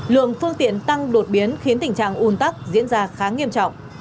lượng phương tiện tăng đột biến khiến tình trạng un tắc diễn ra khá nghiêm trọng